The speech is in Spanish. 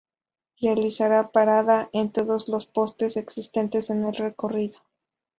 Realizará parada en todos los postes existentes en el recorrido.